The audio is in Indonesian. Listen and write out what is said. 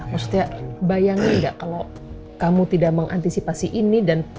maksudnya bayangin gak kalau kamu tidak mengantisipasi ini dan